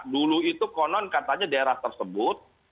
dulu itu konon katanya daerah tersebut